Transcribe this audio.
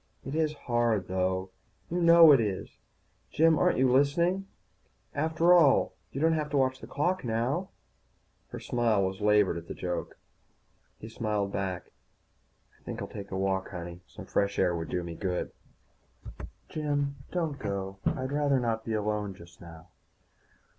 "It is hard, though, you know it is Jim, aren't you listening? After all, you don't have to watch the clock now." Her smile was as labored as the joke. He smiled back. "I think I'll take a walk, honey. Some fresh air would do me good." "Jim, don't go. I'd rather not be alone just now."